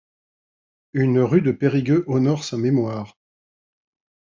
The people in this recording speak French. Une rue de Périgueux honore sa mémoire.